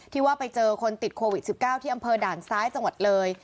ว่าไปเจอคนติดโควิด๑๙ที่อำเภอด่านซ้ายจังหวัดเลย